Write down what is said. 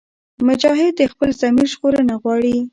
مجاهد د خپل ضمیر ژغورنه غواړي.